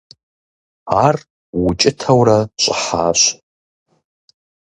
Ар укӀытэурэ щӀыхьащ.